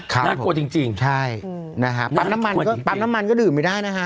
น่ากลัวจริงจริงใช่นะครับปั๊มน้ำมันก็ปั๊มน้ำมันก็ดื่มไม่ได้นะฮะ